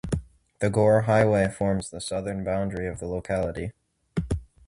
The Gore Highway forms the southern boundary of the locality.